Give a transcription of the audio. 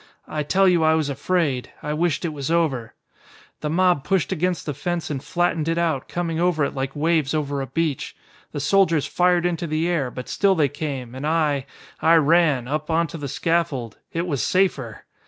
I tell you I was afraid. I wished it was over. "The mob pushed against the fence and flattened it out, coming over it like waves over a beach. The soldiers fired into the air, but still they came, and I, I ran up, onto the scaffold. It was safer!"